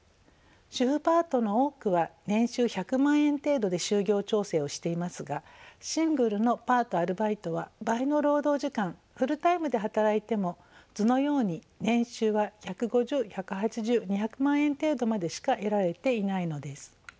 主婦パートの多くは年収１００万円程度で就業調整をしていますがシングルのパートアルバイトは倍の労働時間フルタイムで働いても図のように年収は１５０１８０２００万円程度までしか得られていないのです。